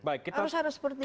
harus ada seperti itu